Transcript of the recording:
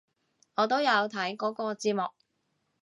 我都有睇嗰個節目！